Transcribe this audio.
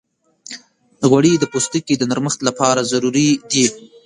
غوړې د پوستکي د نرمښت لپاره ضروري دي.